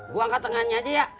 gua angkat tengannya jack